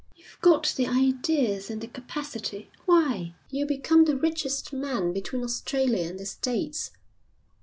"You've got the ideas and the capacity. Why, you'll become the richest man between Australia and the States."